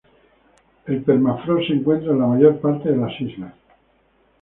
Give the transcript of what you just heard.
El permafrost se encuentra en la mayor parte de las islas.